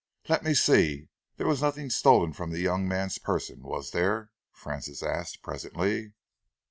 "Let me see, there was nothing stolen from the young man's person, was there?" Francis asked presently.